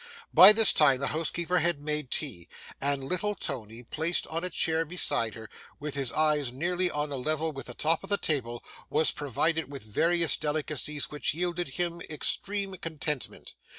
By this time the housekeeper had made tea, and little Tony, placed on a chair beside her, with his eyes nearly on a level with the top of the table, was provided with various delicacies which yielded him extreme contentment.